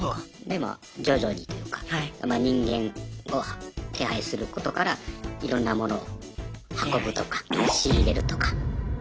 でまあ徐々にというか人間を手配することからいろんなモノを運ぶとか仕入れるとか。